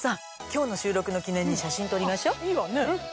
今日の収録の記念に写真撮りましょ！